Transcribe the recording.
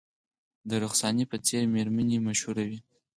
د رخسانې په څیر میرمنې مشهورې وې